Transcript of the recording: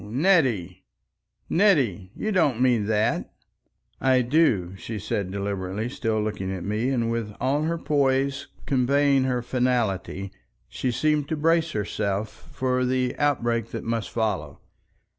.. Nettie! Nettie! You don't mean that!" "I do," she said deliberately, still looking at me, and with all her pose conveying her finality. She seemed to brace herself for the outbreak that must follow.